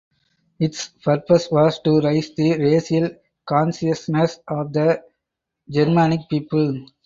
Its purpose was to raise the racial consciousness of the Germanic people.